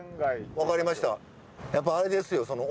やっぱあれですよその。